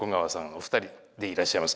お二人でいらっしゃいます。